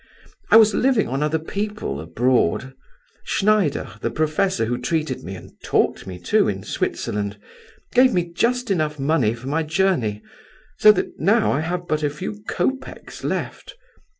I was living on other people abroad. Schneider, the professor who treated me and taught me, too, in Switzerland, gave me just enough money for my journey, so that now I have but a few copecks left.